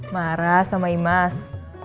marah sama imas